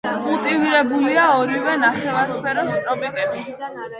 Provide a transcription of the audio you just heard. კულტივირებულია ორივე ნახევარსფეროს ტროპიკებში.